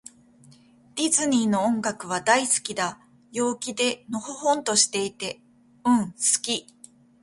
ディズニーの音楽は、大好きだ。陽気で、のほほんとしていて。うん、好き。